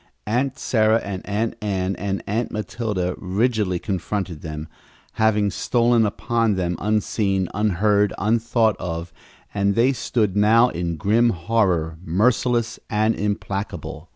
Aunt Sarah and Aunt Ann and Aunt Matilda rigidly confronted them, having stolen upon them unseen, unheard, unthought of, and they stood now in grim horror, merciless and implacable.